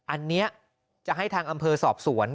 อันนี้จะให้ทางอำเภอสอบสวน